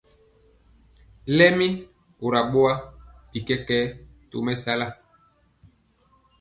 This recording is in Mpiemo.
Lɛmi kora boa, bi kɛkɛɛ tɔmesala.